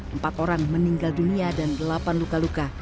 empat orang meninggal dunia dan delapan luka luka